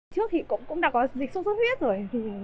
trước thì cũng đã có dịch sốt xuất huyết rồi